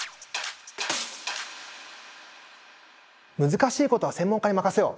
難しいことは専門家に任せよう！